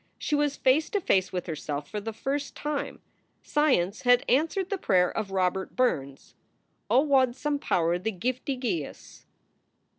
She was face to face with herself for the first time. Science had answered the prayer of Robert Burns, "Oh, wad some power the giftie gie us."